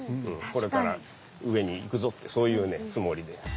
これから上に行くぞっていうそういうねつもりで。